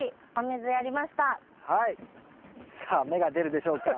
さあ芽が出るでしょうか。